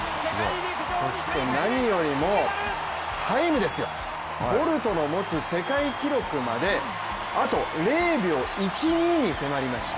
そして何よりもタイムですよ、ボルトの持つ世界記録まであと０秒１２に迫りました。